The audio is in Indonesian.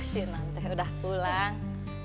si nante udah pulang